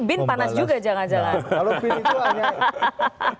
ini bin panas juga jangan jangan